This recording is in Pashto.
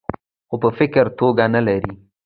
خو پۀ فکري توګه نۀ لري -